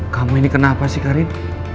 kamu ini kenapa sih karin